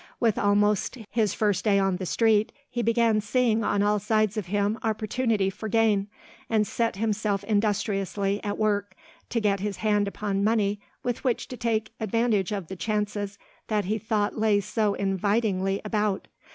With almost his first day on the street he began seeing on all sides of him opportunity for gain, and set himself industriously at work to get his hand upon money with which to take advantage of the chances that he thought lay so invitingly about.